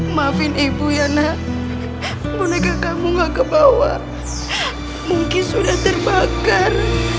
maafin ibu yana boneka kamu nggak kebawa mungkin sudah terbakar